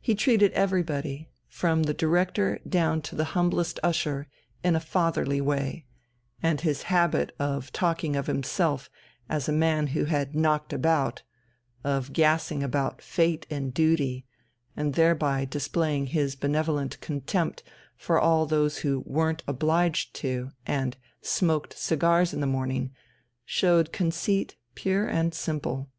He treated everybody, from the Director down to the humblest usher, in a fatherly way, and his habit of talking of himself as of a man who had "knocked about," of gassing about "Fate and Duty," and thereby displaying his benevolent contempt for all those who "weren't obliged to" and "smoked cigars in the morning," showed conceit pure and simple.